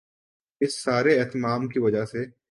اس سارے اہتمام کی وجہ سے